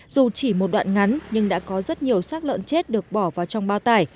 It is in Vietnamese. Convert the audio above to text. dù chỉ một đoạn ngắn nhưng đã có rất nhiều sắc lợn chết được bỏ vào trong bao tải